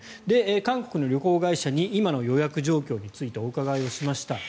韓国の旅行会社に今の予約状況についてお伺いしました。